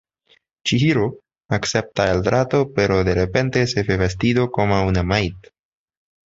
Chihiro acepta el trato, pero, de repente, se ve vestido como una maid.